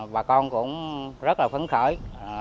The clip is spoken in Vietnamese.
bà con cũng rất là phấn khởi